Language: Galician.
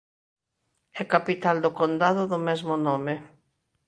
É capital do condado do mesmo nome.